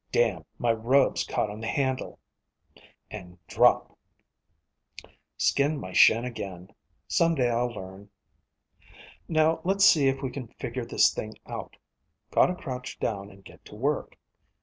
Damn, my robe's caught on the handle._ And drop. Skinned my shin again. Some day I'll learn. _Now let's see if we can figure this thing out. Gotta crouch down and get to work.